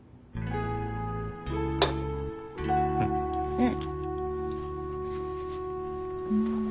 うん。